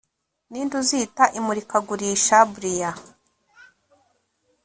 ninde uzita imurikagurisha-briar